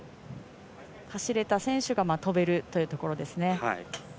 走れた選手が跳べるというところですね。